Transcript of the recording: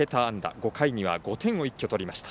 ５回には５点を一挙取りました。